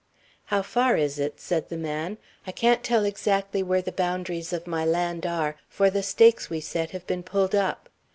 "How far is it?" said the man. "I can't tell exactly where the boundaries of my land are, for the stakes we set have been pulled up."